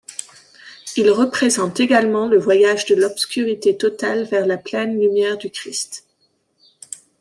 Il représente également le voyage de l'obscurité totale vers la pleine lumière du Christ.